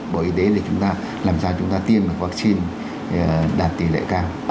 với y tế thì chúng ta làm sao chúng ta tiêm được vaccine đạt tỷ lệ cao